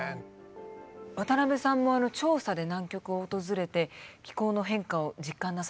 渡辺さんも調査で南極を訪れて気候の変化を実感なさいますか？